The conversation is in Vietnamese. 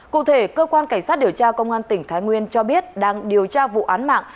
cụ thể cơ quan cảnh sát điều tra công an tỉnh thái nguyên cho biết đang điều tra vụ án mạng